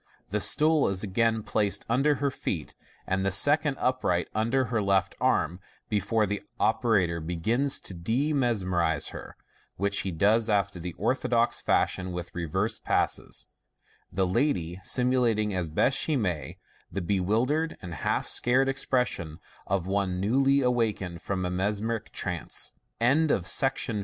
The stool is again placed under her feet, and the second mpright under her left arm, before the operator begins to demesmerise her, which he does after the orthodox fashion with reverse passes, the lady simulating as best she may the bewildered and half soaj^O expression of one newly awakened from a mesmerk $03 MODERN MA GIC. CHAPTER XVTTI. Concluding Observations.